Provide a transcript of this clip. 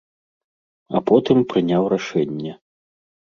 А потым прыняў рашэнне.